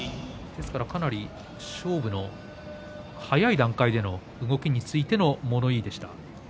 ですからかなり勝負の早い段階での動きについての物言いでした。